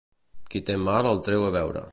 Qui té mal el treu a veure.